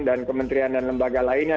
dan kementerian dan lembaga lainnya